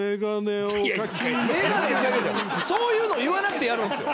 そういうのを言わなくてやるんですよ。